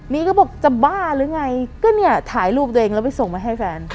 นี่ก็บอกจะบ้าหรือไงก็เนี่ยถ่ายรูปตัวเองแล้วไปส่งมาให้แฟน